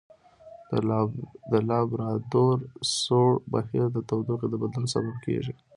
د لابرادور سوړ بهیر د تودوخې د بدلون سبب کیږي.